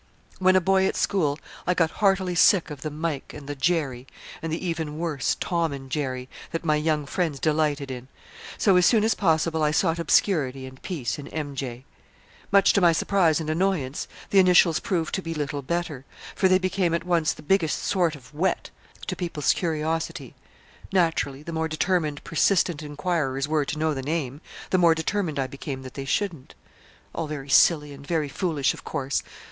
"When a boy at school I got heartily sick of the 'Mike' and the 'Jerry' and the even worse 'Tom and Jerry' that my young friends delighted in; so as soon as possible I sought obscurity and peace in 'M. J.' Much to my surprise and annoyance the initials proved to be little better, for they became at once the biggest sort of whet to people's curiosity. Naturally, the more determined persistent inquirers were to know the name, the more determined I became that they shouldn't. All very silly and very foolish, of course.